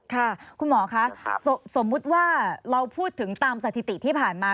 ค่ะคุณหมอคะสมมุติว่าเราพูดถึงตามสถิติที่ผ่านมา